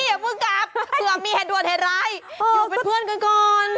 อย่าเพิ่งกลับเผื่อมีเหตุด่วนเหตุร้ายอยู่เป็นเพื่อนกันก่อน